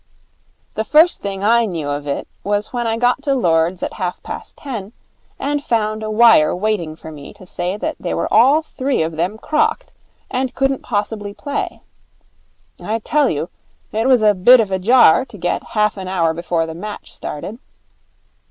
The first thing I knew of it was when I got to Lord's at half past ten, and found a wire waiting for me to say that they were all three of them crocked, and couldn't possibly play. I tell you, it was a bit of a jar to get half an hour before the match started.